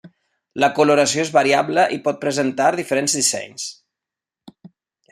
La coloració és variable i pot presentar diferents dissenys.